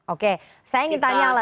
oke saya ingin tanya lah